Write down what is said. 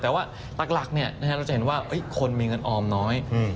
แต่ว่าหลักเราจะเห็นว่าคนมีเงินออมน้อย